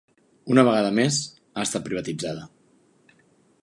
Una vegada més, ha estat privatitzada.